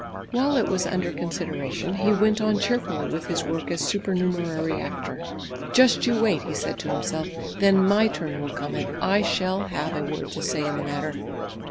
While it was under consideration, he went on cheerfully with his work as supernumerary actor. "Just you wait!" he said to himself, "then my turn will come and I shall have a word to say in the matter."